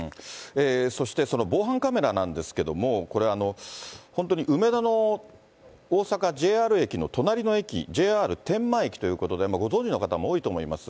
そしてその防犯カメラなんですけども、これ、本当に梅田の大阪ＪＲ駅の隣の駅、ＪＲ天満駅ということで、ご存じの方も多いと思います。